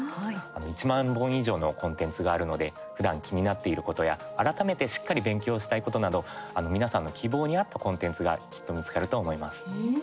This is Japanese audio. １万本以上のコンテンツがあるのでふだん気になっていることや改めて、しっかり勉強したいことなど、皆さんの希望に合ったコンテンツがたっぷりですね。